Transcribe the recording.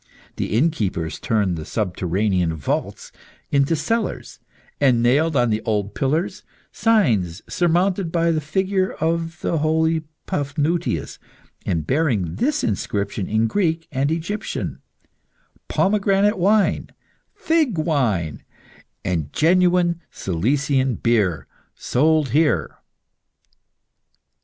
The innkeepers turned the subterranean vaults into cellars and nailed on the old pillars signs surmounted by the figure of the holy Paphnutius, and bearing this inscription in Greek and Egyptian "Pomegranate wine, fig wine, and genuine Cilician beer sold here."